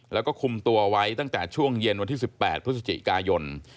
แล้วก็คุมตัวไว้ตั้งแต่ช่วงเย็นวันที่๑๘พฤศจิกายน